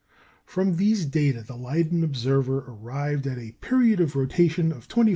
From these data the Leyden observer arrived at a period of rotation of 24h.